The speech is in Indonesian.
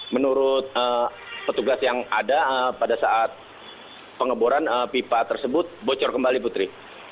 menurut petugas yang ada pada saat pengeboran pipa tersebut bocor kembali putri